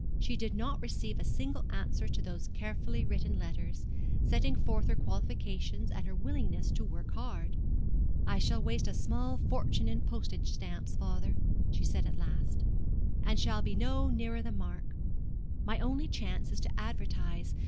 She did not receive a single answer to those carefully written letters, setting forth her qualifications and her willingness to work hard. 'I shall waste a small fortune in postage stamps, father,' she said at last, 'and shall be no nearer the mark. My only chance is to advertise.